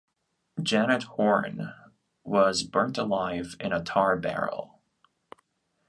Janet Horne was burnt alive in a tar barrel.